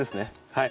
はい。